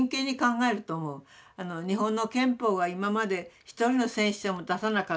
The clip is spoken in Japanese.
日本の憲法が今まで一人の戦死者も出さなかった。